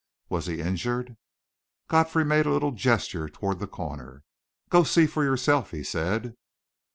"Was he injured?" Godfrey made a little gesture toward the corner. "Go see for yourself," he said.